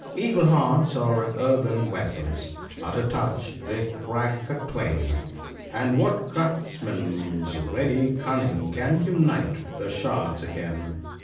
Evil hearts are earthen vessels — at a touch they crack a twain, And what craftsman's ready cunning can unite the shards again